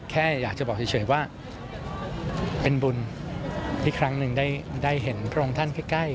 แค่อยากจะบอกเฉยว่าเป็นบุญที่ครั้งหนึ่งได้เห็นพระองค์ท่านใกล้